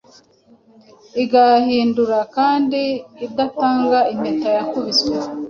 igahindura Kandi idatanga impeta yakubiswe